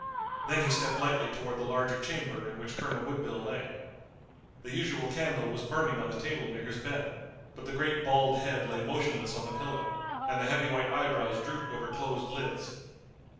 Then he stepped lightly toward the larger chamber in which Colonel Woodville lay. The usual candle was burning on the table near his bed, but the great bald head lay motionless on the pillow, and the heavy white eyebrows drooped over closed lids.